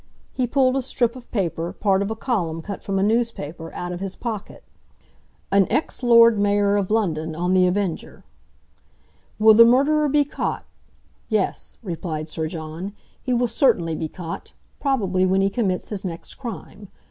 He pulled a strip of paper, part of a column cut from a newspaper, out of his pocket: "'AN EX LORD MAYOR OF LONDON ON THE AVENGER "'Will the murderer be caught? Yes,' replied Sir John, 'he will certainly be caught—probably when he commits his next crime.